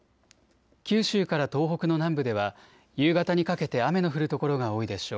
九州から東北の南部では夕方にかけて雨の降る所が多いでしょう。